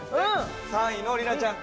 ３位の里奈ちゃん